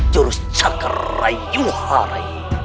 jurus cakar rayuha rayi